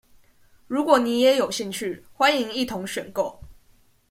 如果你也有興趣，歡迎一同選購。